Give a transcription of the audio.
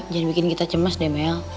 jangan bikin kita cemas deh mel